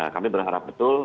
kami berharap betul